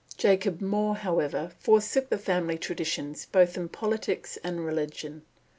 Jacob More, however, forsook the family traditions both in politics and religion.